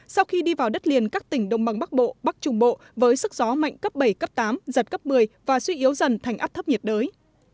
sau khi đi vào đất liền các tỉnh đông bằng bắc bộ bắc trung bộ với sức gió mạnh cấp bảy cấp tám giật cấp một mươi và suy yếu dần thành áp thấp nhiệt đới